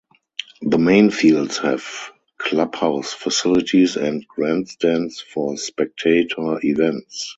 The main fields have clubhouse facilities and grandstands for spectator events.